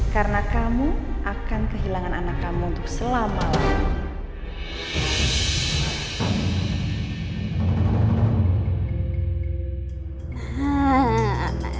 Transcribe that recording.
karena kamu akan kehilangan anak kamu untuk selama lamanya